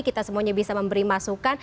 kita semuanya bisa memberi masukan